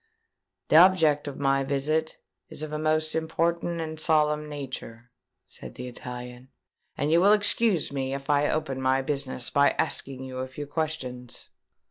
"The object of my visit is of a most important and solemn nature," said the Italian; "and you will excuse me if I open my business by asking you a few questions."